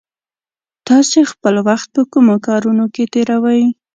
تاسې خپل وخت په کومو کارونو کې تېروئ؟